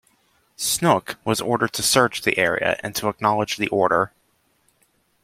"Snook" was ordered to search the area and to acknowledge the order.